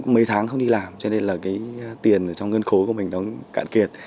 mấy tháng không đi làm cho nên là cái tiền trong ngân khối của mình nó cạn kiệt